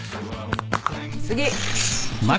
次！